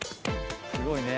すごいね。